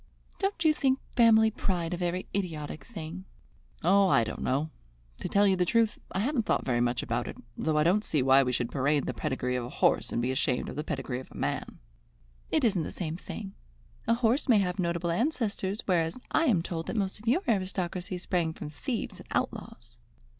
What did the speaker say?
"Don't you think family pride a very idiotic thing?" "Oh, I don't know. To tell you the truth, I haven't thought very much about it, though I don't see why we should parade the pedigree of a horse and be ashamed of the pedigree of a man." "It isn't the same thing. A horse may have notable ancestors, whereas I am told that most of your aristocracy sprang from thieves and outlaws."